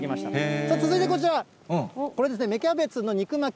さあ、続いてこちら、これですね、芽キャベツの肉巻き。